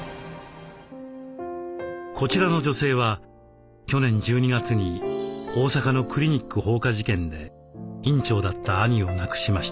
こちらの女性は去年１２月に大阪のクリニック放火事件で院長だった兄を亡くしました。